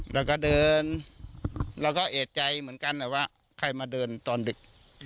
แล้วก็เดินเราก็เอกใจเหมือนกันว่าใครมาเดินตอนดึก